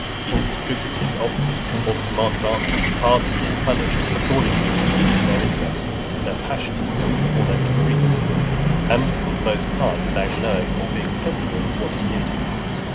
He distributed offices, or the command of armies, pardoned or punished, according as it suited their interests, (322) their passions, or their caprice; and for the most part, without knowing, or being sensible of what he did.